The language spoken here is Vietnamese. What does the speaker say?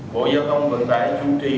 bộ giao thông vận tải chung trì